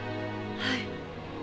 はい。